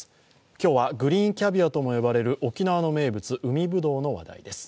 今日はグリーンキャビアとも呼ばれる沖縄の名物、海ぶどうの話題です。